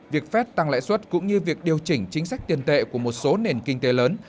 việc phép tăng lãi suất cũng như việc điều chỉnh chính sách tiền tệ của một số nền kinh tế lớn